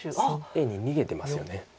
Ａに逃げてますよね。